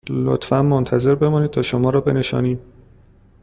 لطفاً منتظر بمانید تا شما را بنشانیم